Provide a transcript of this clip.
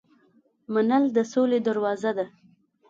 منل د سولې دروازه ده.